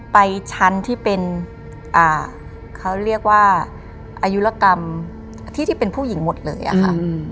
ไปชั้นที่เป็นเขาเรียกว่าอายุรกรรมที่ที่เป็นผู้หญิงหมดเลยอะค่ะ